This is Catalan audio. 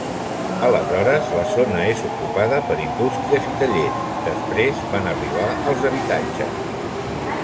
Aleshores, la zona és ocupada per indústries i tallers, després van arribar els habitatges.